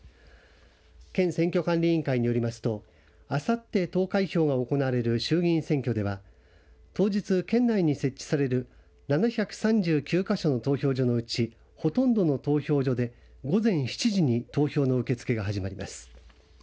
県選挙管理委員会によりますとあさって投開票が行われる衆議院選挙では当日、県内に設置される７３９か所の投票所のうちほとんどの投票所で午前７時に投票の受け付けが始まります。